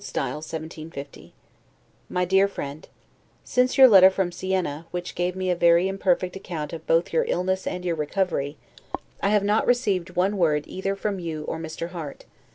S. 1750 MY DEAR FRIEND: Since your letter from Sienna, which gave me a very imperfect account both of your illness and your recovery, I have not received one word either from you or Mr. Harte.